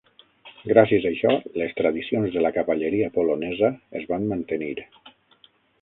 Gràcies a això, les tradicions de la cavalleria polonesa es van mantenir.